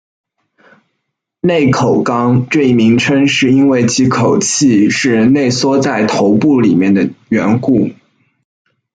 内口纲这一名称是因为其口器是内缩在头部里面的缘故。